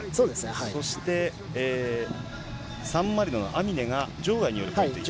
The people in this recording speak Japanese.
そして、サンマリノのアミネが場外に。